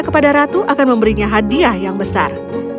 kepada ratu akan memberinya hadiah yang besar